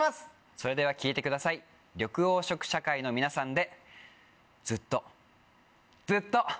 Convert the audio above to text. それでは聴いてください緑黄色社会の皆さんで。